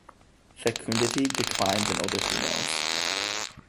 Fecundity declines in older females.